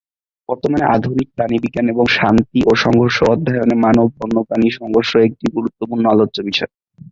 বর্তমানে আধুনিক প্রাণিবিজ্ঞান এবং শান্তি ও সংঘর্ষ অধ্যয়নে মানব-বন্যপ্রাণী সংঘর্ষ একটি গুরুত্বপূর্ণ আলোচ্য বিষয়।